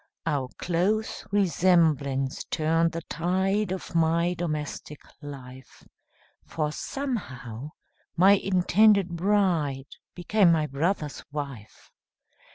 Our close resemblance turned the tide Of my domestic life, For somehow, my intended bride Became my brother's wife.